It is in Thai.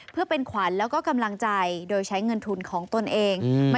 เพื่อเป็นขวัญแล้วก็กำลังใจโดยใช้เงินทุนของตนเอง